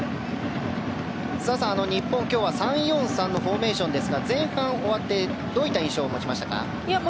澤さん、日本は今日３−４−３のフォーメーションですが前半終わってどういった印象を持ちましたか。